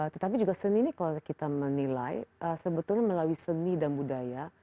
tetapi juga seni ini kalau kita menilai sebetulnya melalui seni dan budaya